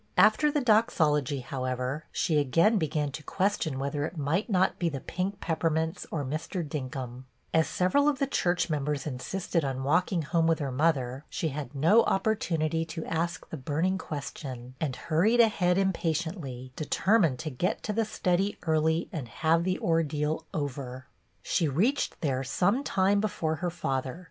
After the doxology, however, she again began to question whether it might not be the pink peppermints or Mr. Dinkum, As several of the church members insisted on walking home with her mother, she had no opportunity to ask the burning question, and hurried ahead impatiently, determined to get to the study early and have the ordeal over. She reached there some time before her father.